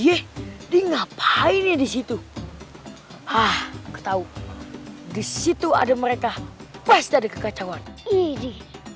ih di ngapain di situ hah ketau di situ ada mereka pas dari kekacauan ini